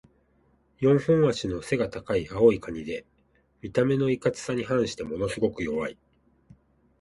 四本脚の背が高い青いカニで、見た目のいかつさに反してものすごく弱い。